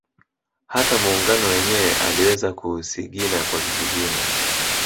Hata Muungano wenyewe aliweza kuusigina kwa kisigino